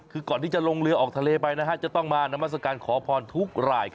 คือก่อนที่จะลงเรือออกทะเลไปจะต้องมานามัศกาลขอพรทุกราย